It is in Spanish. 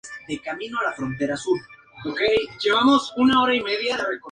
Muchos servicios públicos de agua proporcionan servicios en una sola ciudad, pueblo o municipio.